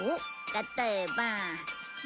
例えば。